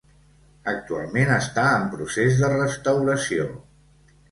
Actualment està en procés de restauració.